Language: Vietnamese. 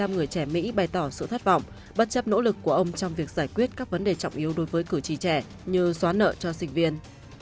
một mươi người trẻ mỹ bày tỏ sự thất vọng bất chấp nỗ lực của ông trong việc giải quyết các vấn đề trọng yếu đối với cử tri trẻ như xóa nợ cho sinh viên